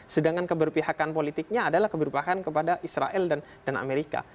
sedangkan keberpihakan politiknya adalah keberpihakan kepada israel dan amerika